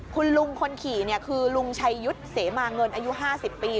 คุณลุงคนขี่คือลุงชัยยุทธ์เสมาเงินอายุ๕๐ปี